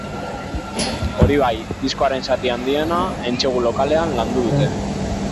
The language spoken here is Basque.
Hori bai, diskoaren zati handiena entsegu-lokalean landu dute.